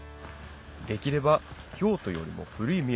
できれば京都よりも古い都